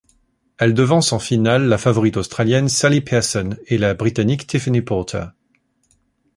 Elle devance en finale la favorite australienne Sally Pearson et la Britannique Tiffany Porter.